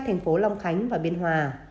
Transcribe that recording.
hai thành phố long khánh và biên hòa